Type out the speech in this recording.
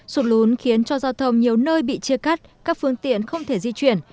sụt lún khiến cho giao thông nhiều nơi bị chia cắt các phương tiện không thể di chuyển